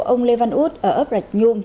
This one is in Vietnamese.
ông lê văn út ở ấp rạch nhung